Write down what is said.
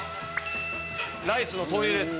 ライスの投入です